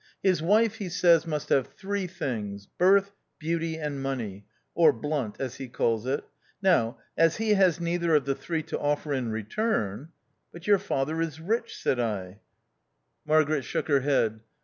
His wife, he says, must have three things — birth, beauty, and money (or blunt, as he calls it). Now as he has neither of the three to offer in return " "But your father is rich?" said I. Mar G 98 THE OUTCAST. garet shook her head.